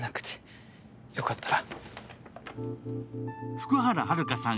福原遥さん